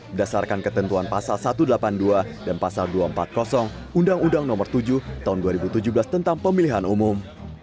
berdasarkan ketentuan pasal satu ratus delapan puluh dua dan pasal dua ratus empat puluh undang undang nomor tujuh tahun dua ribu tujuh belas tentang pemilihan umum